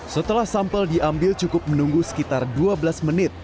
setelah sampel diambil cukup menunggu sekitar dua belas menit